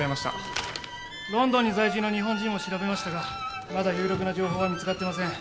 ロンドンに在住の日本人も調べましたがまだ有力な情報は見つかってません。